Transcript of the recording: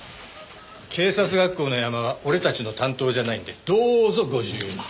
警察学校のヤマは俺たちの担当じゃないんでどうぞご自由に。